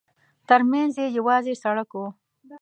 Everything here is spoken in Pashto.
ترمنځ یې یوازې سړک و.